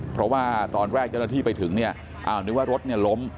เพราะว่าตอนแรกเจ้าหน้าที่ไปถึงเนี่ยอ้าวนึกว่ารถเนี่ยล้ม